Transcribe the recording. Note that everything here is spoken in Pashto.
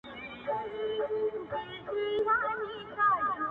او شعري نظام بڼه ورکړې